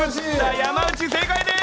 山内、正解です！